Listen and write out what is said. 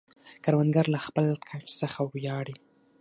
کروندګر له خپل کښت څخه ویاړي